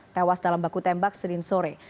tewas dalam baku tembak senin sore